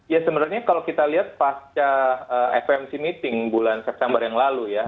ya sebenarnya kalau kita lihat pasca fmc meeting bulan september yang lalu ya